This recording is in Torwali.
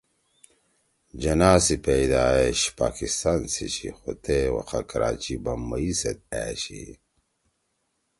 جناح سی پیدائش پاکستان سی چھی خُو تے وَخا کراچی بمبئ سیت أشی